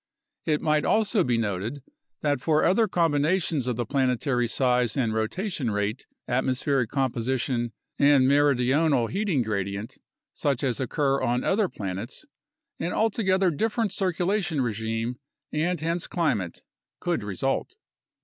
It might also be noted that for other combinations of the planetary size and rotation rate, atmospheric composition, and meridional heating gradient, such as occur on other planets, an altogether different circula tion regime — and hence climate — could result.